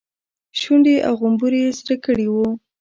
شونډې او غومبري يې سره کړي وو.